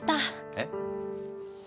えっ？